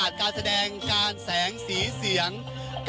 มันอาจจะเป็นแก๊สธรรมชาติค่ะ